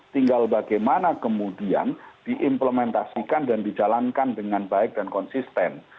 tinggal bagaimana kemudian diimplementasikan dan dijalankan dengan baik dan konsisten